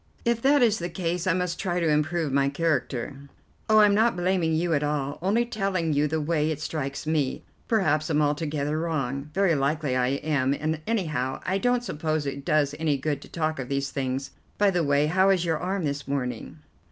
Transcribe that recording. "If that is the case, I must try to improve my character." "Oh, I'm not blaming you at all, only telling you the way it strikes me. Perhaps I'm altogether wrong. Very likely I am, and anyhow I don't suppose it does any good to talk of these things. By the way, how is your arm this morning?"